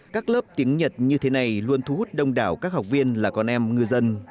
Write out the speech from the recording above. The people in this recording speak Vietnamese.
các lớp tiếng nhật như thế này luôn thu hút đông đảo các học viên là con em ngư dân